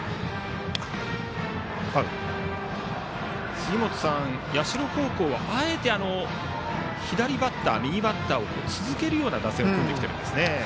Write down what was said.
杉本さん、社高校はあえて左バッター、右バッターを続けるような打線を組んできているんですね。